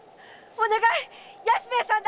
お願い！